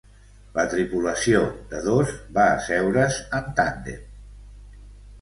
La tripulació de dos va asseure's en tàndem.